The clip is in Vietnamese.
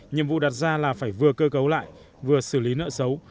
nhiệm vụ đặt ra là phải vừa cơ cấu lại vừa xử lý nợ xấu